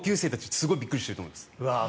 すごいびっくりしていると思います。